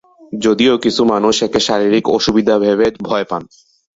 যদিও, কিছু মানুষ একে শারীরিক অসুবিধা ভেবে ভয় পান।